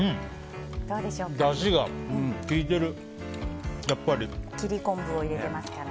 だしがきいてる！